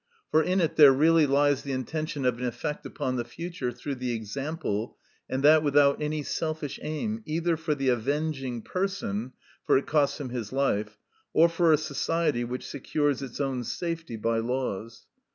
For in it there really lies the intention of an effect upon the future through the example, and that without any selfish aim, either for the avenging person, for it costs him his life, or for a society which secures its own safety by laws.